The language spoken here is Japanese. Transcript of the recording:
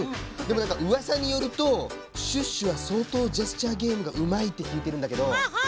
でもなんかうわさによるとシュッシュはそうとうジェスチャーゲームがうまいってきいてるんだけど。